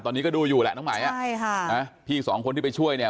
ตอนนี้ก็ดูอยู่แหละน้องไหมอ่ะใช่ค่ะนะพี่สองคนที่ไปช่วยเนี่ย